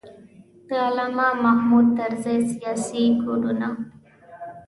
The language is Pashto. د علامه محمود طرزي سیاسي کوډونه.